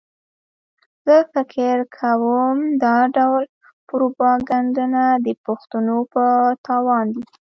زه فکر کوم دا ډول پروپاګنډونه د پښتنو په تاوان دي.